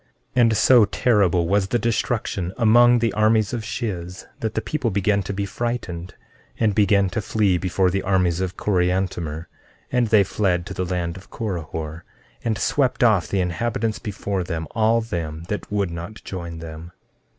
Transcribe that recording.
14:27 And so terrible was the destruction among the armies of Shiz that the people began to be frightened, and began to flee before the armies of Coriantumr; and they fled to the land of Corihor, and swept off the inhabitants before them, all them that would not join them.